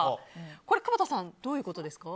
これ、窪田さんどういうことですか？